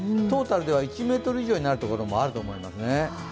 トータルでは１ｍ以上になるところもあると思いますね。